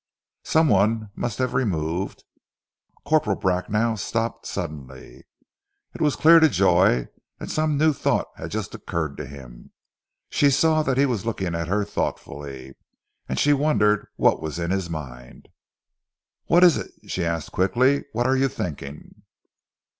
"Some one must have removed " Corporal Bracknell stopped suddenly. It was clear to Joy that some new thought had just occurred to him. She saw that he was looking at her thoughtfully, and she wondered what was in his mind. "What is it?" she asked quickly. "What are you thinking?"